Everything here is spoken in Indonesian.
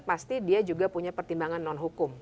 pasti dia juga punya pertimbangan non hukum